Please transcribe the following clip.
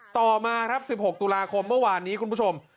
ต่อมาครับ๑๖ตุลาคมเมื่อวานนี้คุณผู้ชม